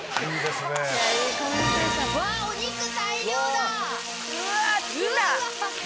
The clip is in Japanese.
わぁお肉大量だ！